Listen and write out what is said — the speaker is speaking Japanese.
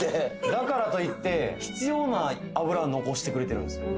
だからといって必要な脂は残してくれてるんですよ